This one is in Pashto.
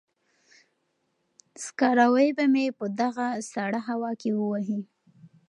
سکاروی به مې په دغه سړه هوا کې ووهي.